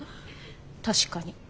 確かに。